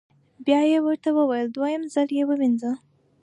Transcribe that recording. بیا یې ورته وویل: دویم ځل یې ووینځه.